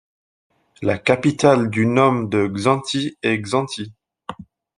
La capitale du nome de Xánthi est Xánthi.